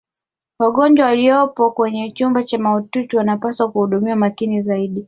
wagonjwa waliyopo kwenye chumba cha mautiuti wanapaswa kuhudumiwa makini zaidi